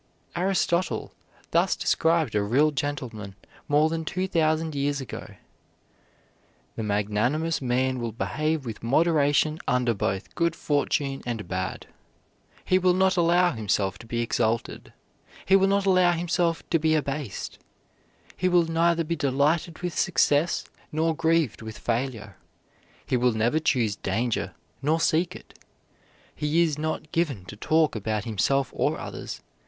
Aristotle thus described a real gentleman more than two thousand years ago: "The magnanimous man will behave with moderation under both good fortune and bad. He will not allow himself to be exalted; he will not allow himself to be abased. He will neither be delighted with success, nor grieved with failure. He will never choose danger, nor seek it. He is not given to talk about himself or others.